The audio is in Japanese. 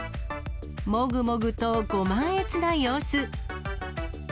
もぐもぐとご満悦な様子。